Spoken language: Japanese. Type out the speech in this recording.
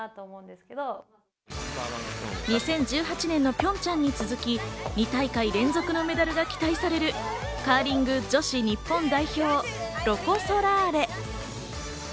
２０１８年のピョンチャンに続き、２大会連続のメダルが期待されるカーリング女子日本代表、ロコ・ソラーレ。